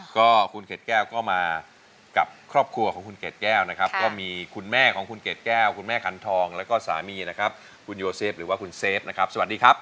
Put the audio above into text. ก็คุณเกดแก้วก็มากับครอบครัวของคุณเกดแก้วนะครับก็มีคุณแม่ของคุณเกดแก้วคุณแม่ขันทองแล้วก็สามีนะครับคุณโยเซฟหรือว่าคุณเซฟนะครับสวัสดีครับ